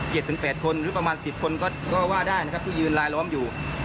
ถึงแปดคนหรือประมาณสิบคนก็ก็ว่าได้นะครับที่ยืนลายล้อมอยู่